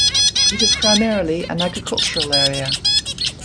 It is primarily an agricultural area.